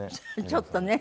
ちょっとね。